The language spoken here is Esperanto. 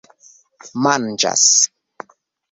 manĝas